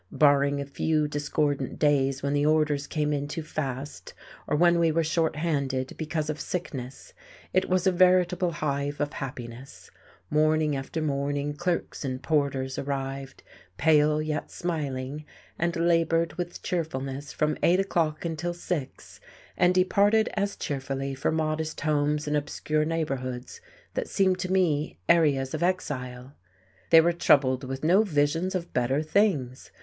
Barring a few discordant days when the orders came in too fast or when we were short handed because of sickness, it was a veritable hive of happiness; morning after morning clerks and porters arrived, pale, yet smiling, and laboured with cheerfulness from eight o'clock until six, and departed as cheerfully for modest homes in obscure neighbourhoods that seemed to me areas of exile. They were troubled with no visions of better things.